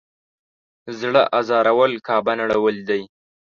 زړه ازارول کعبه نړول دی.